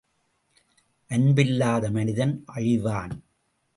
அன்பில்லாத மனிதன் அழிவான்!